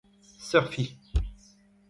seurfiñ